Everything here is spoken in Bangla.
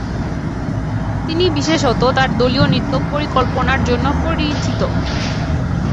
তিনি বিশেষত তাঁর দলীয় নৃত্য পরিকল্পনার জন্য পরিচিত।